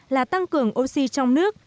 là tăng cường oxy trong nước